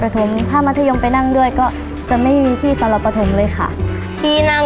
ถ้าเมื่อนั่งก็แค่ประถง